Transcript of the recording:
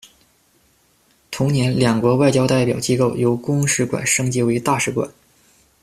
同年，两国外交代表机构由公使馆升级为大使馆。